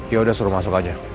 ya udah suruh masuk aja